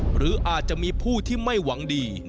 หรืออาจจะมีผู้ที่ไม่หวังดี